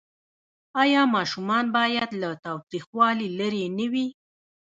آیا ماشومان باید له تاوتریخوالي لرې نه وي؟